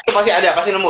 itu pasti ada pasti nemu